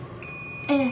ええ。